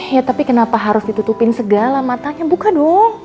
ya tapi kenapa harus ditutupin segala matanya buka dong